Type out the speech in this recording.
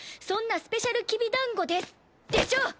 そんなスペシャルきび団子です」でしょ！